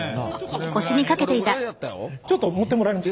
ちょっと持ってもらえます？